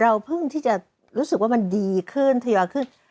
เพิ่งที่จะรู้สึกว่ามันดีขึ้นทยอยขึ้น